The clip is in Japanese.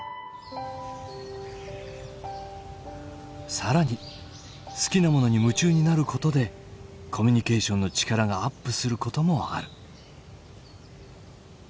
更に好きなものに夢中になることでコミュニケーションの力がアップすることもある。